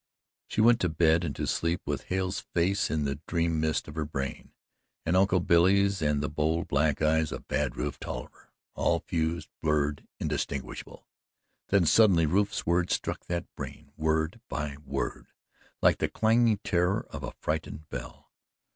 She went to bed and to sleep with Hale's face in the dream mist of her brain, and Uncle Billy's, and the bold, black eyes of Bad Rufe Tolliver all fused, blurred, indistinguishable. Then suddenly Rufe's words struck that brain, word by word, like the clanging terror of a frightened bell.